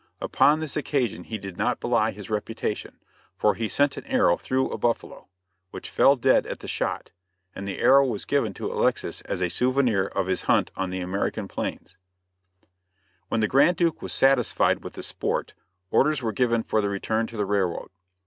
Upon this occasion he did not belie his reputation, for he sent an arrow through a buffalo, which fell dead at the shot, and the arrow was given to Alexis as a souvenir of his hunt on the American Plains. [Illustration: TWO LANCE KILLING A BUFFALO.] When the Grand Duke was satisfied with the sport, orders were given for the return to the railroad.